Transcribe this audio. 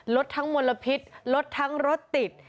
รถทั้งมลพิษลดทั้งรถติด